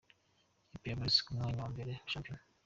Ikipe ya polisi ku mwanya wa mbere wa shampiyona